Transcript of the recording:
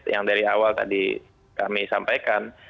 yang dari awal tadi kami sampaikan